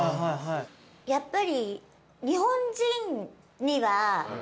やっぱり。